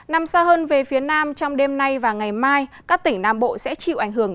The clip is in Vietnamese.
nằm xa hơn về phía nam trong đêm nay và ngày mai các tỉnh nam bộ sẽ chịu ảnh hưởng